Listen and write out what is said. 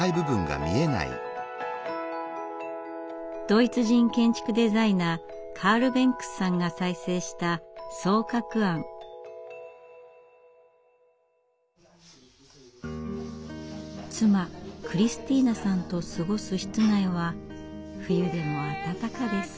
ドイツ人建築デザイナーカール・ベンクスさんが再生した妻クリスティーナさんと過ごす室内は冬でも暖かです。